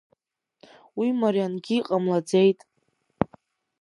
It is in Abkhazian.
Уи мариангьы иҟамлаӡеит…